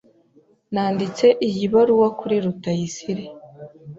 Nanditse iyi baruwa kuri Rutayisire.